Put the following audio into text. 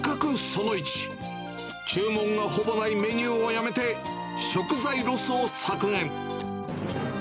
その１、注文がほぼないメニューはやめて、食材ロスを削減。